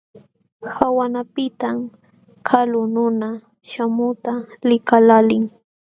Qawanapiqtam kalu nuna śhamuqta likaqlaalin.